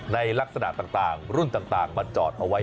ในลักษณะต่างรุ่นต่างมาจอดเอาไว้